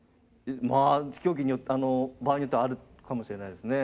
まあ競技によって場合によってはあるかもしれないですね。